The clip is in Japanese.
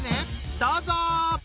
どうぞ！